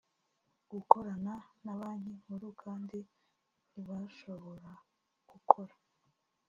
gukorana na banki nkuru kandi ntibashobora gukora